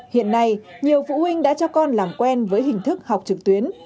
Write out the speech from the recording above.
hiện nay nhiều phụ huynh đã cho con làm quen với hình thức học trực tuyến